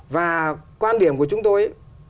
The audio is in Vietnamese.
và quan điểm của chúng tôi